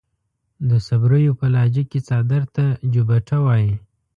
د صبريو پۀ لهجه کې څادر ته جوبټه وايي.